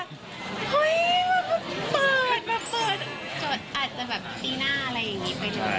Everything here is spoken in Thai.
เห้ยจะเปิดอาจจะตีหน้าอะไรอย่างนี้